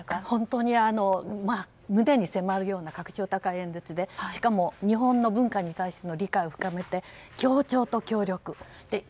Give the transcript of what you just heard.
本当に胸に迫るような格調の高い演説でしかも日本の文化に対しての理解を深めて協調と協力